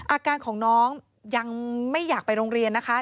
อาการของน้องยังไม่อยากไปโรงเรียนนะคะ